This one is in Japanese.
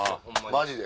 マジで？